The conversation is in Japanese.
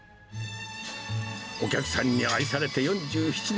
お客さんに愛されて４７年。